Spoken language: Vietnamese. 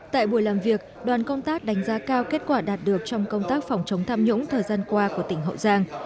tại buổi làm việc đoàn công tác đánh giá cao kết quả đạt được trong công tác phòng chống tham nhũng thời gian qua của tỉnh hậu giang